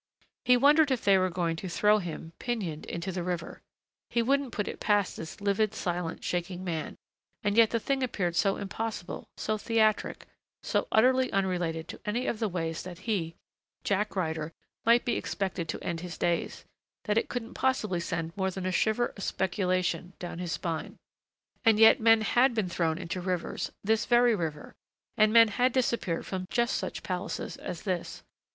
He wondered if they were going to throw him, pinioned, into the river. He wouldn't put it past this livid, silent, shaking man and yet the thing appeared so impossible, so theatric, so utterly unrelated to any of the ways that he, Jack Ryder, might be expected to end his days, that it couldn't possibly send more than a shiver of speculation down his spine. And yet men had been thrown into rivers this very river. And men had disappeared from just such palaces as this.